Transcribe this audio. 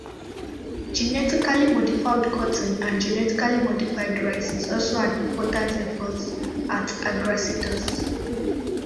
Genetically modified cotton and genetically modified rice is also an important effort at Agracetus.